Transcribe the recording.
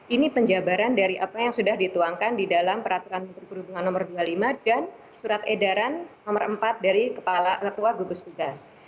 ini penjabaran dari apa yang sudah dituangkan di dalam peraturan menteri perhubungan nomor dua puluh lima dan surat edaran nomor empat dari ketua gugus tugas